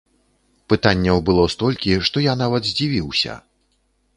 Пытанняў было столькі, што я нават здзівіўся.